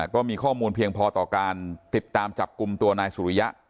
ก็มีข้อมูลเพียงพอต่อการติดตามจับกลุ่มตัวนายสุริยะ